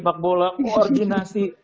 pak bola koordinasi